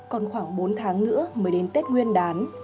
còn khoảng bốn tháng nữa mới đến tết nguyên đán